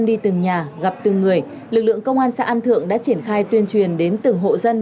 đi từng nhà gặp từng người lực lượng công an xã an thượng đã triển khai tuyên truyền đến từng hộ dân